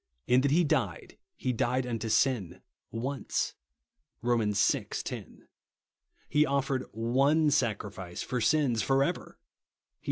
"In that he died, he died unto sin once'' (Horn. vi. 10). He " offered one sacrifice for sins for ever," (Heb.